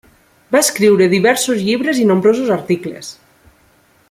Va escriure diversos llibres i nombrosos articles.